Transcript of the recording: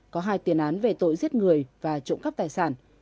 có hai tiền án về tội giết người và trộm cắp tài sản